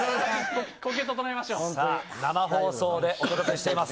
生放送でお届けしています